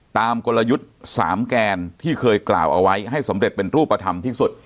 กลยุทธ์๓แกนที่เคยกล่าวเอาไว้ให้สำเร็จเป็นรูปธรรมที่สุด